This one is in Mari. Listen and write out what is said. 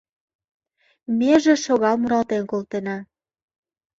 Меже шогал муралтен колтена